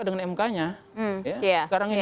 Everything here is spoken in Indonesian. dengan mk nya ya